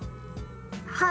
はい。